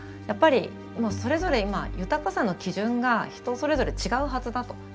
やっぱりそれぞれ今豊かさの基準が人それぞれ違うはずだと。